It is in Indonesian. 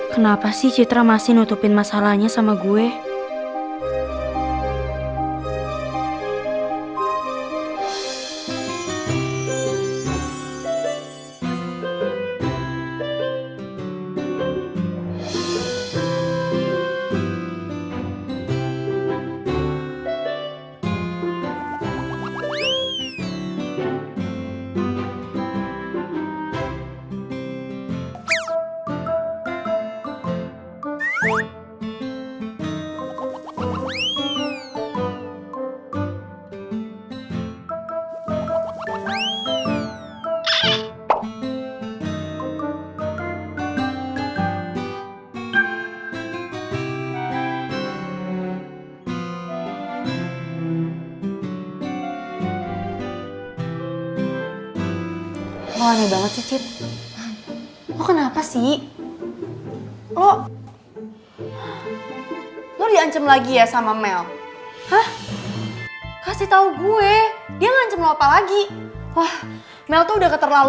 kenapa sih citra masih nutupin masalahnya sama gue